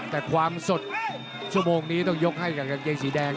แต่ความสดชั่วโมงนี้ต้องยกให้กับกางเกงสีแดง